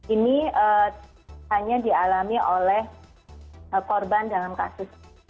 ini hanya dialami oleh korban dalam kasus